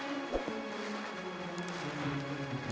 semoga gusti allah bisa menangkan kita